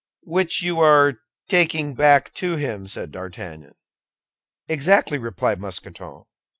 "Which you are taking back to him?" said D'Artagnan. "Exactly!" replied Mousqueton.